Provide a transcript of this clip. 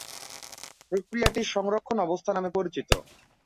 প্রক্রিয়াটি সংরক্ষণ অবস্থা নামে পরিচিত।